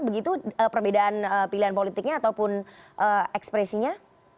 begitu perbedaan pilihan politiknya ataupun ekspresinya